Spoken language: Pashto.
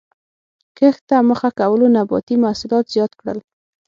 کښت ته مخه کولو نباتي محصولات زیات کړل